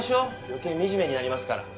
余計惨めになりますから。